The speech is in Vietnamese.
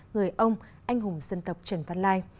người ông anh hùng dân tộc trần văn lai